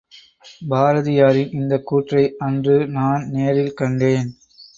பாரதியாரின் இந்தக் கூற்றை அன்று நான் நேரில் கண்டேன்.